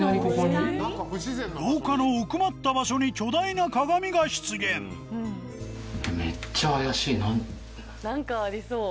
廊下の奥まった場所に巨大な鏡が出現何かありそう。